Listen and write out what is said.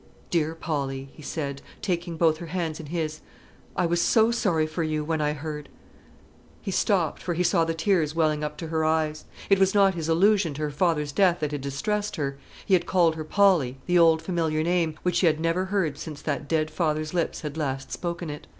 "Dear Polly," he said, taking both her hands in his, "I was so sorry for you, when I heard " He stopped, for he saw the tears welling up to her eyes. It was not his allusion to her father's death that had distressed her. He had called her Polly, the old familiar name, which she had never heard since that dead father's lips had last spoken it.